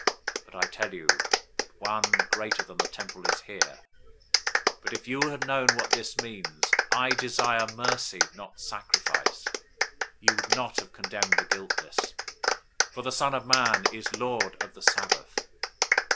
012:006 But I tell you that one greater than the temple is here. 012:007 But if you had known what this means, 'I desire mercy, and not sacrifice,'{Hosea 6:6} you would not have condemned the guiltless. 012:008 For the Son of Man is Lord of the Sabbath."